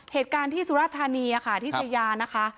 เหตุการณ์ที่สุรธานีค่ะที่ชายานะคะ